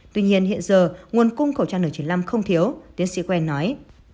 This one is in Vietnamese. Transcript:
tuy nhiên hiện giờ nguồn cung khẩu trang n chín mươi năm không thiếu tiến sĩ quen nói